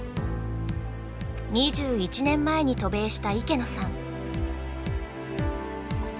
２１年前に渡米した池野さん。